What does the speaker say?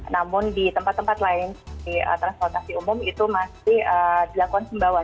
namun di tempat tempat lain seperti transportasi umum itu masih dilakukan sembawan